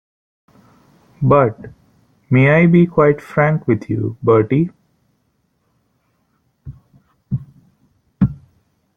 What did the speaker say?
But — may I be quite frank with you, Bertie?